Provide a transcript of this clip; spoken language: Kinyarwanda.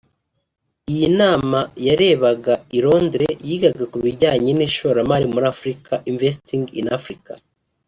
Iyi nama yarebaga i Londres yigaga ku bijyanye n’ishoramari muri Afurika “Investing in Africa”